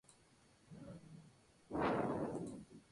Es Doctor en Filosofía por la Universidad Complutense de Madrid.